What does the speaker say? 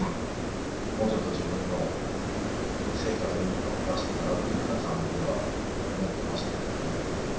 もうちょっと自分の成果というかを出してからっていうふうな感じでは思ってましたけどもね。